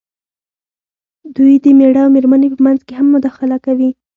دوی د مېړۀ او مېرمنې په منځ کې هم مداخله کوي.